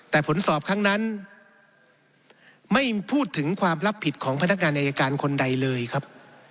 แต่ผลสอบครั้งนั้นไม่พูดถึงความรับผิดของพนักงานอายการคนใดเลยครับ